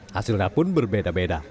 hasilnya pun berbeda beda